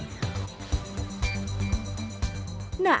nah jika sudah lolos uji contoh tersebut juga bisa dikonsumsi